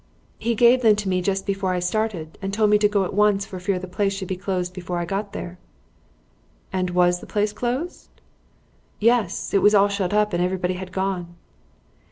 "He gave them to me just before I started, and told me to go at once for fear the place should be closed before I got there." "And was the place closed?" "Yes. It was all shut up, and everybody had gone."